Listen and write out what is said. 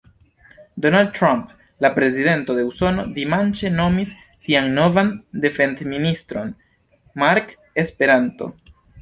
Donald Trump, la prezidento de Usono, dimanĉe nomis sian novan defendministron Mark Esperanto.